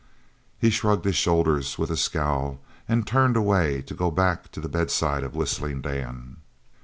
He shrugged his shoulders, with a scowl, and turned away to go back to the bedside of Whistling Dan.